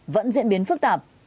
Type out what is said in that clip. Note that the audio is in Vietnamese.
vẫn diễn biến phức tạp